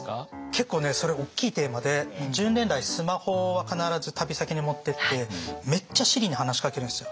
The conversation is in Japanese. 結構ねそれ大きいテーマで１０年来スマホは必ず旅先に持ってってめっちゃＳｉｒｉに話しかけるんですよ。